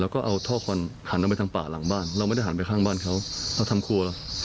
กดกิ่งหน้าบ้านรว